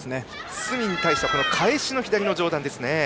角に対しては返しの左の上段ですね。